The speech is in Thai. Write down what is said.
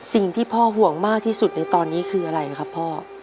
สิ่งที่พ่อห่วงมากที่สุดในตอนนี้คืออะไรครับพ่อ